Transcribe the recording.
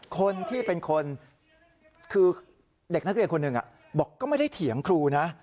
คนที่เป็นคนคือเด็กนักเรียนคนหนึ่งบอกก็ไม่ได้เถียงครูนะ